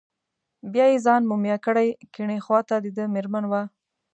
بیا یې ځان مومیا کړی، کیڼې خواته دده مېرمن وه.